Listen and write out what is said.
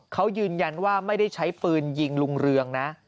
เขายืนยันว่าไม่ได้ใช้ปืนยิงลุงเรืองนะ